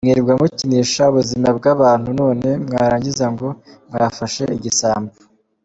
Mwirirwa mukinisha ubuzima bwabantu none mwarangiza ngo mwafashe igisambo! .